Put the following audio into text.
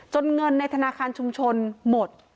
เงินในธนาคารชุมชนหมด